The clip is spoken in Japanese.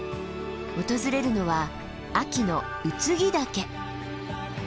訪れるのは秋の空木岳。